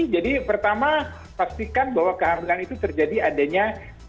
jadi pertama pastikan bahwa kehamilan itu terjadi adanya